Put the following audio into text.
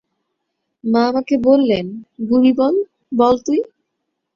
মা আমাকে বললেন, বুড়ি বল, বল তুই।